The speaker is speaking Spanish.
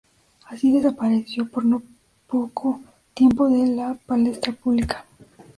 Así desapareció por no poco tiempo de la palestra pública.